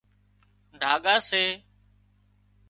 ڍاڳا سي